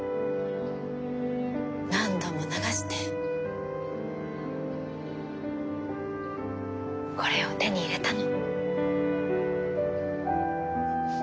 何度も流してこれを手に入れたの。